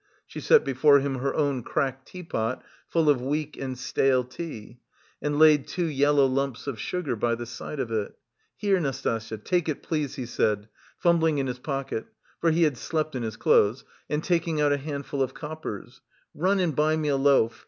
She set before him her own cracked teapot full of weak and stale tea and laid two yellow lumps of sugar by the side of it. "Here, Nastasya, take it please," he said, fumbling in his pocket (for he had slept in his clothes) and taking out a handful of coppers "run and buy me a loaf.